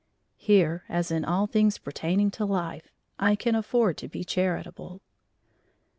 Here, as in all things pertaining to life, I can afford to be charitable.